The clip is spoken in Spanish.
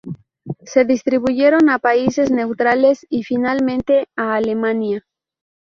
Se distribuyeron a países neutrales y, finalmente, a Alemania.